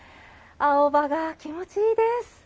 青葉が気持ちいいです。